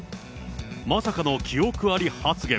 まさかの記憶あり発言。